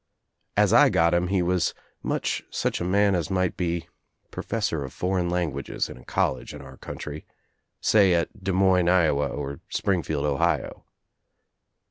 As I got him, he was much such a man as might be professor of foreign languages in a college in our country, say at Des Moines, Iowa, or Springfield, Ohio.